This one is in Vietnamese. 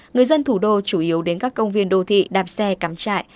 người dân thủ đô chủ yếu đến các công viên đô thị đạp xe cắm trại